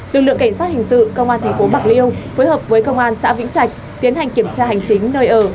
lực lượng cảnh sát hình sự công an thành phố bạc liêu phối hợp với công an xã vĩnh trạch tiến hành kiểm tra hành chính nơi ở